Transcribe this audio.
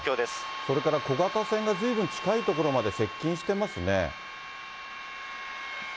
それから小型船がずいぶん近い所まで接近してますね。